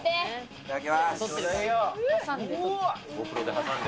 いただきます。